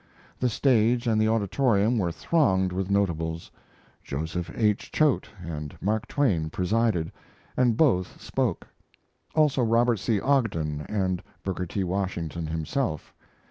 The stage and the auditorium were thronged with notables. Joseph H. Choate and Mark Twain presided, and both spoke; also Robert C. Ogden and Booker T. Washington himself.